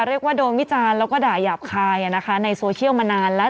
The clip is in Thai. เรียกว่าโดนวิจารณ์แล้วก็ด่าหยาบคายในโซเชียลมานานแล้ว